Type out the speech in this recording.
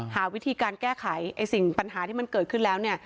หาวิธีการแก้ไขไอ้สิ่งปัญหาที่มันเกิดขึ้นแล้วเนี่ย